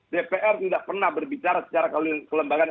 dpr tidak pernah berbicara secara kelembagaan